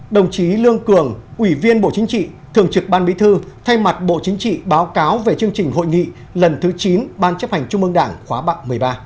đồng chí lương cường ủy viên bộ chính trị thường trực ban bí thư thay mặt bộ chính trị báo cáo về chương trình hội nghị lần thứ chín ban chấp hành trung ương đảng khóa bạc một mươi ba